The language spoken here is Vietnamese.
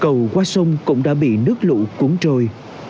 cầu qua sông cũng đã bị nước lũ cuốn trôi